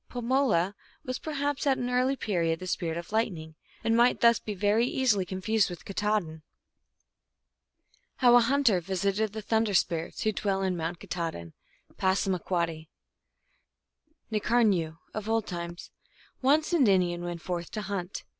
Pamela was per haps at an early period the spirit of lightning, and might thus be very easily confused with Katahdin. THUNDER STORIES. 259 How a Hunter visited the Thunder Spirits who dwell in Mount Katahdin. (Passamaquoddy.) N karnayoo. Of old times. Once an Indian went forth to hunt.